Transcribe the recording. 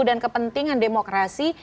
dan kepentingan demokrasi